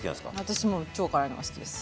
私もう超辛いのが好きです。